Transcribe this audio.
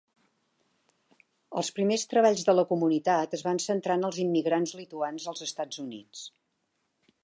Els primers treballs de la comunitat es van centrar en els immigrants lituans als Estats Units.